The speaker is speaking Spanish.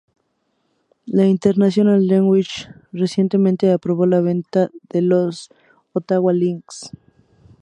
La International League recientemente aprobó la venta de los Ottawa Lynx.